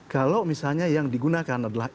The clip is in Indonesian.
kalau misalnya yang digunakan adalah